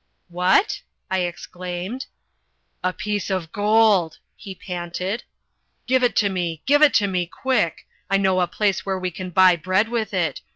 "What?" I exclaimed. "A piece of gold," he panted. "Give it to me, give it to me, quick. I know a place where we can buy bread with it.